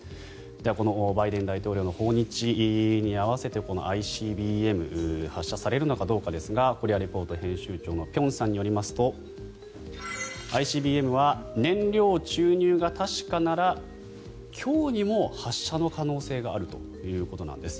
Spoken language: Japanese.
では、このバイデン大統領の訪日に合わせてＩＣＢＭ発射されるのかどうかですが「コリア・レポート」編集長の辺さんによりますとＩＣＢＭは燃料注入が確かなら今日にも発射の可能性があるということなんです。